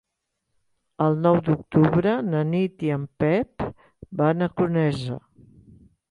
El nou d'octubre na Nit i en Pep van a Conesa.